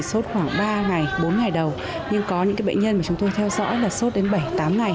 sốt khoảng ba ngày bốn ngày đầu nhưng có những bệnh nhân mà chúng tôi theo dõi là sốt đến bảy tám ngày